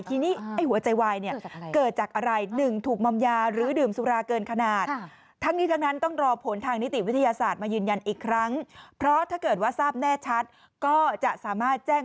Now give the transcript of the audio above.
สามารถแจ้งเข้าหาได้อย่างชัดเจน